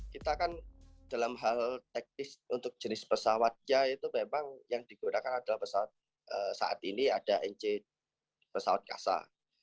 kita kan dalam hal teknis untuk jenis pesawatnya itu memang yang digunakan adalah pesawat saat ini ada nc pesawat kasa